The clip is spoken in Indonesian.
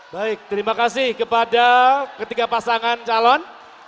baik terima kasih kepada ketiga pasangan calon